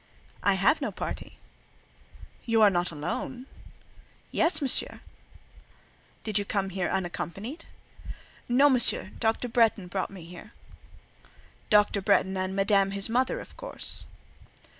"I have no party." "You are not alone?" "Yes, Monsieur." "Did you come here unaccompanied?" "No, Monsieur. Dr. Bretton brought me here." "Dr. Bretton and Madame his mother, of course?"